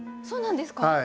そうなんですか？